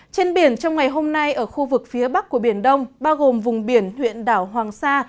trên biển trong ngày hôm nay ở khu vực phía bắc của biển đông bao gồm vùng biển huyện đảo hoàng sa